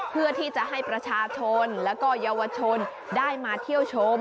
เพื่อที่จะให้ประชาชนแล้วก็เยาวชนได้มาเที่ยวชม